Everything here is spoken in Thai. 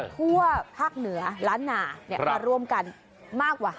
ทั่วภาคเหนือล้านนามาร่วมกันมากกว่า